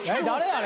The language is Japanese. あれ。